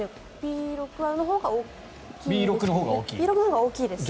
Ｂ６のほうが大きいですね。